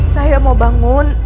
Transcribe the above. saya mau bangun